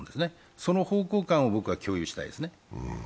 その方向感を共有したいですね。